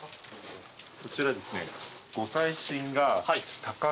こちらですね。